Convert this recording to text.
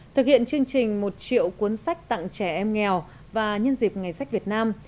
thực hiện chương trình một triệu cuốn sách tặng trẻ em nghèo và nhân dịp ngày sách việt nam